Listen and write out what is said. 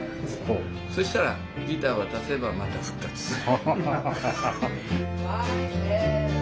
そしたらギター渡せばまた復活する。